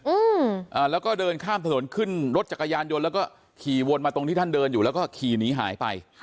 อืมอ่าแล้วก็เดินข้ามถนนขึ้นรถจักรยานยนต์แล้วก็ขี่วนมาตรงที่ท่านเดินอยู่แล้วก็ขี่หนีหายไปค่ะ